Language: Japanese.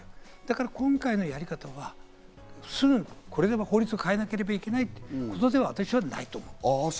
今回のやり方はこれですぐに法律を変えなければいけないという、そういうことではないと思う。